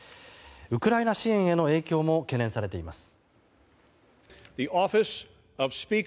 ウクライナ支援への影響も懸念されています。